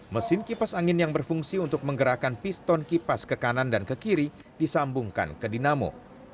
mesin kipas angin yang berfungsi untuk menggerakkan piston kipas ke kanan dan ke kiri disambungkan ke dinamo